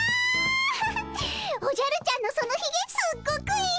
おじゃるちゃんのそのひげすっごくいい！